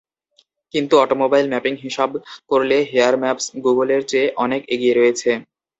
কিন্তু automobile mapping হিসাব করলে হেয়ার ম্যাপস গুগলের চেয়ে অনেক এগিয়ে রয়েছে।